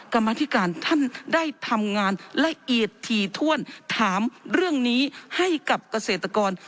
กรรมธิการท่านได้ทำงานละเอียดถี่ถ้วนถามเรื่องนี้ให้กับเกษตรกร